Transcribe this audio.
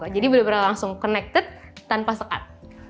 jadi benar benar langsung connected tanpa sekat